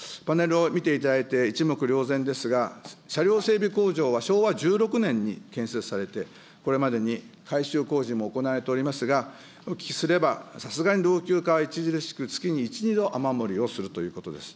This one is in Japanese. パネルを見ていただいて、一目瞭然ですが、車両整備工場は昭和１６年に建設されて、これまでに改修工事も行われておりますが、さすがに老朽化は著しく、月に１、２度、雨漏りをするということです。